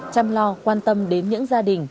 chăm lo quan tâm đến những gia đình